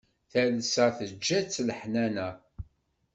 Talsa teǧǧa-tt leḥnana.